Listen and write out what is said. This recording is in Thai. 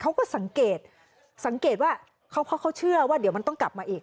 เขาก็สังเกตว่าเขาเชื่อว่าเดี๋ยวมันต้องกลับมาอีก